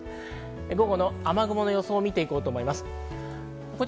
午後の雨雲の様子を見て行こうと思います。